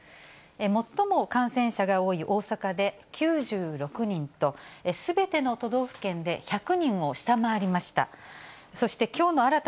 最も感染者が多い大阪で９６人と、すべての都道府県で１００人を下回りました。